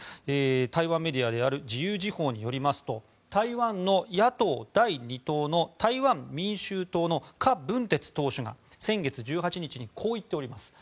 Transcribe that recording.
台湾メディアである自由時報によりますと台湾の野党第２党の台湾民衆党のカ・ブンテツ党首が先月１８日にこう言っております。